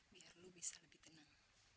biar lu bisa lebih tenang